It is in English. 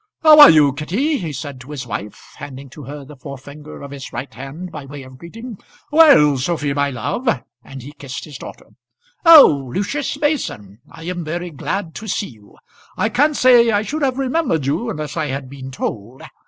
"How are you, Kitty?" he said to his wife, handing to her the forefinger of his right hand by way of greeting. "Well, Sophy, my love;" and he kissed his daughter. "Oh! Lucius Mason. I am very glad to see you. I can't say I should have remembered you unless I had been told.